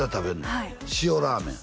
はい塩ラーメン？